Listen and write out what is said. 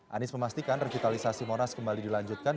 anies memastikan revitalisasi monas kembali dilanjutkan